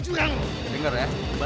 tidak ada apa apa